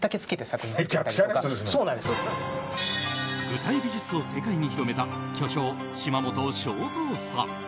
具体美術を世界に広めた巨匠・嶋本昭三さん。